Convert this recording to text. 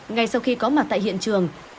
ngay sau khi có mặt tại hiện trường